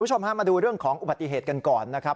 คุณผู้ชมฮะมาดูเรื่องของอุบัติเหตุกันก่อนนะครับ